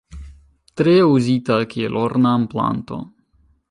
Tre uzita kiel ornamplanto.